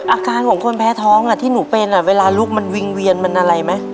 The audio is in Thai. อาการของคนแพ้ท้องที่หนูเป็นเวลาลุกมันวิ่งเวียนมันอะไรไหม